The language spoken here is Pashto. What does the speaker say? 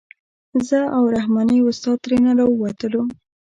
زه او رحماني استاد ترېنه راووتلو.